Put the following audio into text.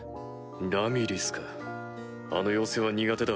ラミリスかあの妖精は苦手だ。